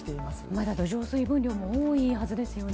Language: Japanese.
まだ土壌の水分量も多いはずですよね。